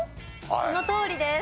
そのとおりです。